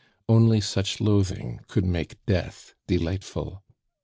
Only such loathing could make death delightful.